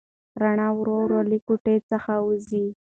رڼا ورو ورو له کوټې څخه وځي.